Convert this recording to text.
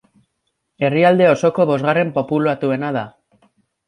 Herrialde osoko bosgarren populatuena da.